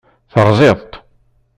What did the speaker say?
Teṛẓiḍ-t.